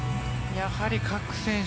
やはり各選手